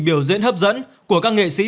biểu diễn hấp dẫn của các nghệ sĩ